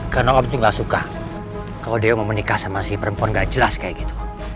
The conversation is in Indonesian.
karena om juga gak suka kalau dewa mau menikah sama si perempuan gak jelas kayak gitu